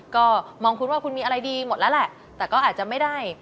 ก็มองคุณว่าคุณมีอะไรดีหมดแล้วแหละแต่ก็อาจจะไม่ได้